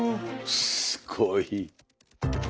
すごい。